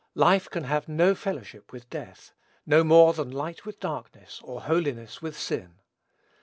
Life can have no fellowship with death, no more than light with darkness, or holiness with sin.